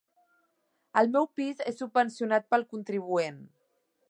El meu pis és subvencionat pel contribuent.